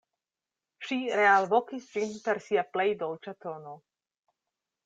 Ŝi realvokis ĝin per sia plej dolĉa tono.